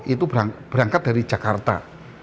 itu berangkat dari jakarta